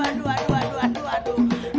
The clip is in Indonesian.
aduh aduh aduh